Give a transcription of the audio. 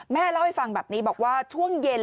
เล่าให้ฟังแบบนี้บอกว่าช่วงเย็น